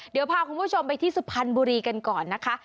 เดี๋ยวพาคุณผู้ชมไปที่สุพรรณบุรีกันก่อนนะคะ